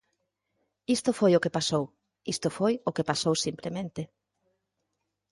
Isto foi o que pasou, isto foi o que pasou simplemente.